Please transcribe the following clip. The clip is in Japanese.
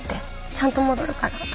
ちゃんと戻るから。